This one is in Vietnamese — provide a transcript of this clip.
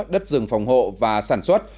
đất rừng phòng hộ và sản xuất